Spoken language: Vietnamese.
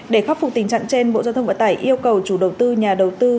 để khắc phục tình trạng trên bộ giao thông vận tải yêu cầu chủ đầu tư nhà đầu tư